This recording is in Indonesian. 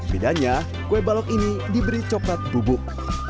bedanya kue balok ini diberi coklat bubuk